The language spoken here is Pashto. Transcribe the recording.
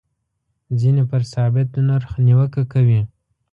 ځینې پر ثابت نرخ نیوکه کوي.